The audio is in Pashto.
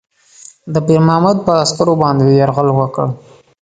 د پیرمحمد پر عسکرو باندي یرغل کړی.